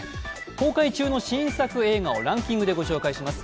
公開中の新作映画をランキングでご紹介します。